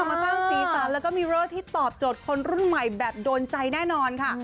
มาสร้างสีสันแล้วก็มีเอร์ที่ตอบโจทย์คนรุ่นใหม่แบบโดนใจแน่นอนค่ะ